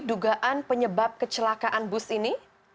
dugaan penyebab kecelakaan bus ini